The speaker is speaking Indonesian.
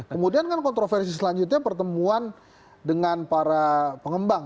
kemudian kan kontroversi selanjutnya pertemuan dengan para pengembang